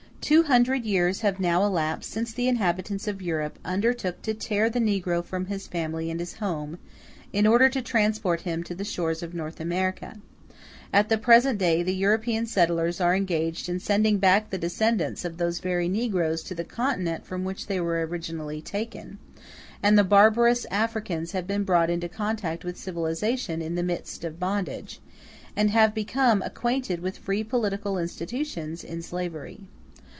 Two hundred years have now elapsed since the inhabitants of Europe undertook to tear the negro from his family and his home, in order to transport him to the shores of North America; at the present day, the European settlers are engaged in sending back the descendants of those very negroes to the Continent from which they were originally taken; and the barbarous Africans have been brought into contact with civilization in the midst of bondage, and have become acquainted with free political institutions in slavery.